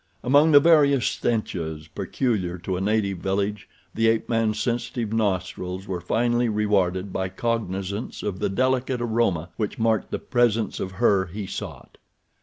Among the various stenches peculiar to a native village the ape man's sensitive nostrils were finally rewarded by cognizance of the delicate aroma which marked the presence of her he sought.